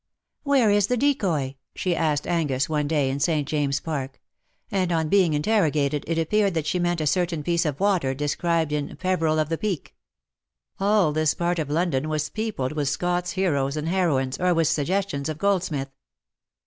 " Where is the Decoy ?^' she asked Angus^ one day, in St. James's Park ; and on being interrogated, it appeared that she meant a certain piece of water,, described in " Peveril of the Peak." All this part of London was peopled with Scott's heroes and heroines, or with suggestions of Goldsmith.